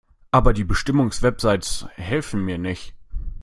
Aber die Bestimmungswebsites helfen mir nicht.